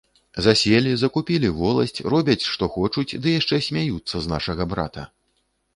Заселі, закупілі воласць, робяць што хочуць, ды яшчэ смяюцца з нашага брата.